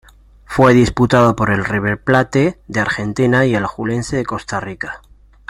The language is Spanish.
Fue disputada por River Plate de Argentina y el Alajuelense de Costa Rica.